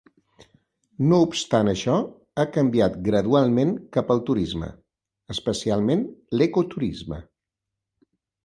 No obstant això, ha canviat gradualment cap al turisme, especialment l'ecoturisme.